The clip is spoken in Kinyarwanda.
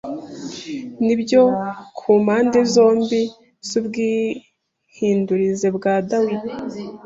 Nibyo, kumpande zombi zubwihindurize bwa Darwin;